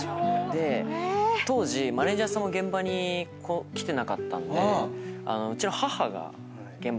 当時マネジャーさんも現場に来てなかったんでうちの。